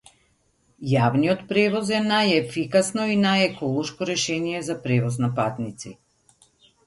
Јавниот превоз е најефикасно и најеколошко решение за превоз на патници.